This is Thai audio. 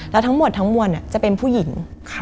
แล้วทั้งหมดทั้งมวลจะเป็นผู้หญิง